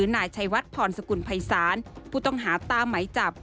นายชัยวัดพรสกุลภัยศาลผู้ต้องหาตามไหมจับ